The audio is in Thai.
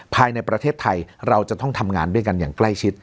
ภายในประเทศไทยเราจะต้องทำงานด้วยกันอย่างใกล้ชิด